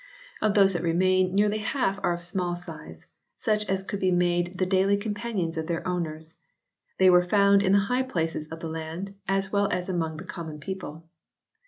Of those that remain nearly half are of small size, such as could be made the daily companions of their owners. They were found in the high places of the land as well as among the common people.